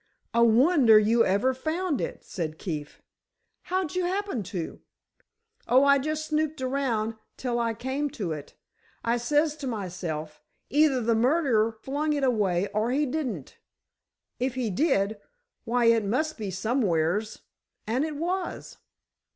"A wonder you ever found it," said Keefe. "How'd you happen to?" "Oh, I just snooped around till I came to it. I says to myself, 'Either the murderer flung it away or he didn't. If he did, why it must be somewheres,' and it was."